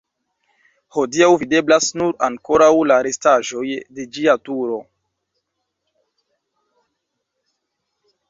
Hodiaŭ videblas nur ankoraŭ la restaĵoj de ĝia turo.